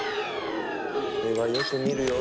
これはよく見るよ。